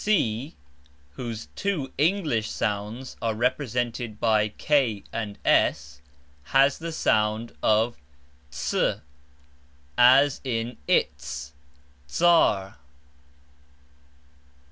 c (whose two English sounds are represented by k and s) has the sound of TS, as in iTS, TSar.